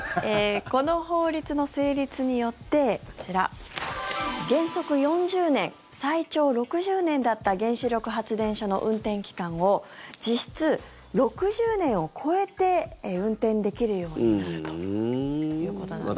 この法律の成立によってこちら原則４０年最長６０年だった原子力発電所の運転期間を実質、６０年を超えて運転できるようになるということなんですね。